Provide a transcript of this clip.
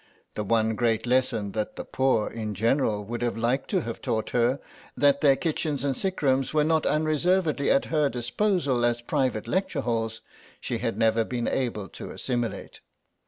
The one great lesson that the Poor in general would have liked to have taught her, that their kitchens and sickrooms were not unreservedly at her disposal as private lecture halls, she had never been able to assimilate.